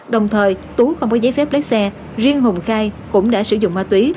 đồng thời tú không có giấy phép lái xe riêng hùng khai cũng đã sử dụng ma túy